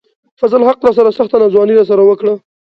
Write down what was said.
فضل الحق راسره سخته ناځواني راسره وڪړه